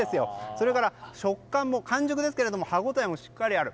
それから食感も、完熟ですけど歯応えもしっかりある。